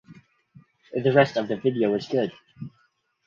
The rest of the video is good.